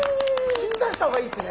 口に出した方がいいですね